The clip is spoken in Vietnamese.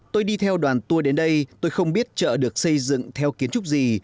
tôi đi theo đoàn tour đến đây tôi không biết chợ được xây dựng theo kiến trúc gì